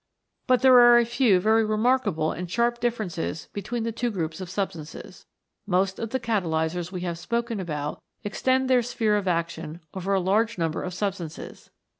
But there are a few very remarkable and sharp differences between the two groups of substances. Most of the catalysers we have spoken about extend their sphere of action over a large number of substances.